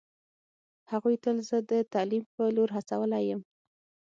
هغوی تل زه د تعلیم په لور هڅولی یم